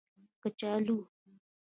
🥔 کچالو